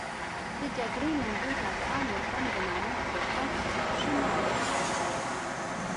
د جګړې لمبو د افغان وطن د ناموس پر سر شنه لوخړه جوړه کړه.